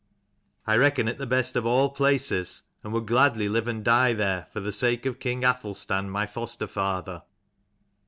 I reckon it the best of all places, and would gladly live and die there, for the sake of king Athelstan my foster father."